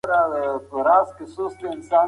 آیا تاسو له خپل وطن سره مینه لرئ؟